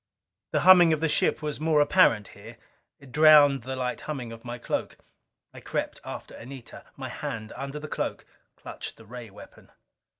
The humming of the ship was more apparent here. It drowned the light humming of my cloak. I crept after Anita; my hand under the cloak clutched the ray weapon.